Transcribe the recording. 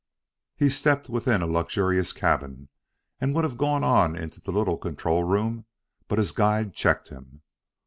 He stepped within a luxurious cabin and would have gone on into the little control room, but his guide checked him.